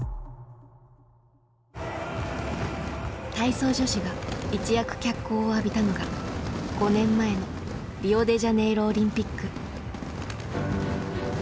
体操女子が一躍脚光を浴びたのが５年前のリオデジャネイロオリンピック。